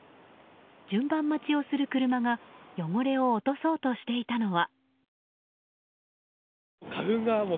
順番待ちをする車が汚れを落とそうとしていたのは。